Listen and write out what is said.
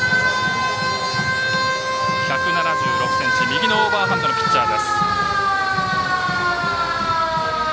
１７６ｃｍ右のオーバーハンドのピッチャー。